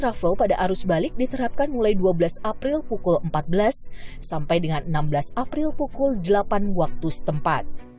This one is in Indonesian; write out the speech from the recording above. travel pada arus balik diterapkan mulai dua belas april pukul empat belas sampai dengan enam belas april pukul delapan waktu setempat